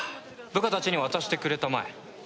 部下たちに渡してくれたまえ。